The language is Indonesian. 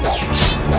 dia putraku abikara